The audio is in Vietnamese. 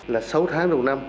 là sáu tháng đầu năm